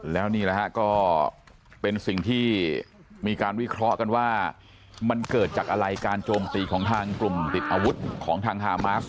แล้วนี่แหละฮะก็เป็นสิ่งที่มีการวิเคราะห์กันว่ามันเกิดจากอะไรการโจมตีของทางกลุ่มติดอาวุธของทางฮามาส